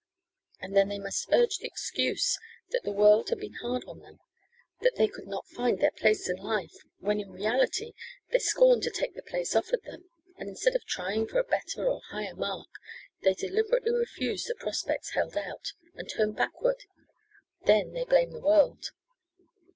And then they may urge the excuse that the world had been hard on them; that they could not find their place in life, when in reality they scorn to take the place offered them, and instead of trying for a better or higher mark they deliberately refuse the prospects held out, and turn backward then they blame the world!